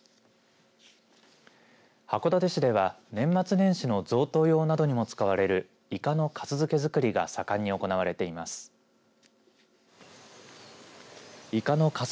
函館市では年末年始の贈答用などにも使われるいかのかす漬け作りが盛んに行われています。